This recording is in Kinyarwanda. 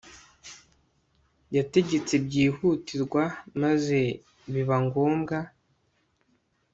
yategetse 'byihutirwa maze biba ngombwa